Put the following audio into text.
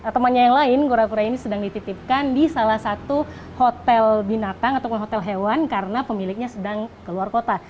temannya yang lain kura kura ini sedang dititipkan di salah satu hotel binatang ataupun hotel hewan karena pemiliknya sedang keluar kota